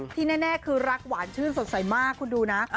ที่แน่คือรักหวานชื่นสดใสมากคุณดูนะ